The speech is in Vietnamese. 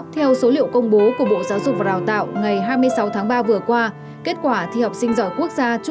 theo số liệu công bố của bộ giáo dục và đào tạo ngày hai mươi sáu tháng ba vừa qua kết quả thi học sinh